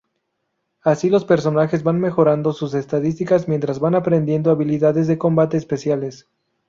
Así los personajes van mejorando sus estadísticas mientras van aprendiendo habilidades de combate especiales.